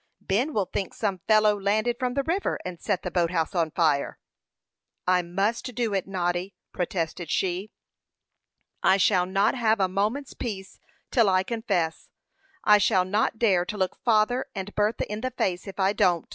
Ben will think some fellow landed from the river, and set the boat house on fire." "I must do it, Noddy," protested she. "I shall not have a moment's peace till I confess. I shall not dare to look father and Bertha in the face if I don't."